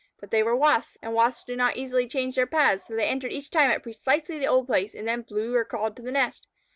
But they were Wasps, and Wasps do not easily change their paths, so they entered each time at precisely the old place, and then flew or crawled to the nest.